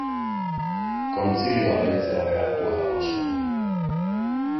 Kontzilioa deitzera behartua egon zen.